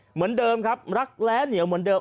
เหมือนเดิมครับรักแร้เหนียวเหมือนเดิม